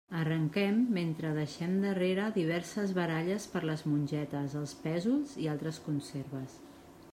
Arrenquem mentre deixem darrere diverses baralles per les mongetes, els pèsols i altres conserves.